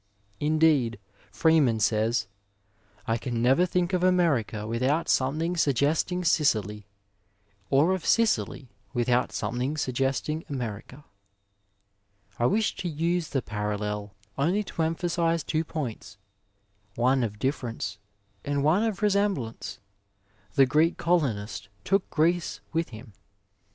Indeed, Freeman says: *'I can never think of America without something suggesting Sicily, or of Sicily without something suggesting America.'' I wish to use the parallel only to emphasise two points, one of difference and one of resemblance. The Greek colonist took Greece with him.